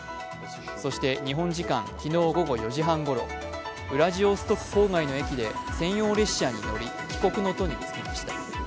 そして日本時間昨日午後４時半ごろ、ウラジオストク郊外の駅で専用列車に乗り帰国の途につきました。